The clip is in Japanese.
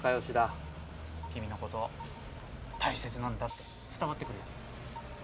君の事大切なんだって伝わってくるよ。